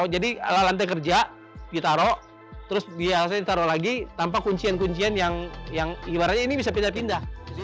jadi lantai kerja ditaruh terus biasanya ditaruh lagi tanpa kuncian kuncian yang ibaratnya ini bisa pindah pindah